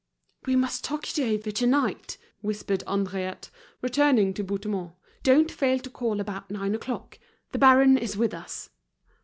"We must talk it over tonight," whispered Henriette, returning to Bouthemont. "Don't fail to call about nine o'clock. The baron is with us."